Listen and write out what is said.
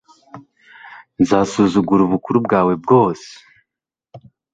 nzasuzugura ubukuru bwawe bwose